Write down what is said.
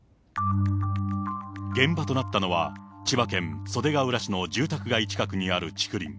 現場となったのは、千葉県袖ケ浦市の住宅街近くにある竹林。